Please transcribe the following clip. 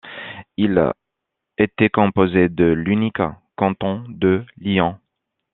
Il était composé de l'unique canton de Lyon.